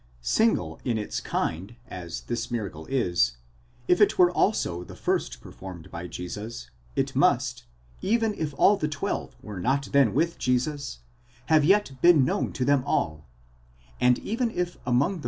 Single in its kind as this miracle is, if it were also the first performed by Jesus, it must, even if all the twelve were not then with Jesus, have yet been known to them all; and even if among the rest of the 25 Compare on this point, Flatt, ut sup.